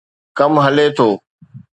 ڪم هلي ٿو.